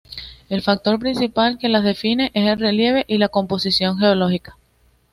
El factor principal que las define es el relieve y la composición geológica.